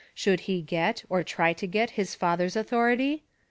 Should he get, or try to get, his father's authority?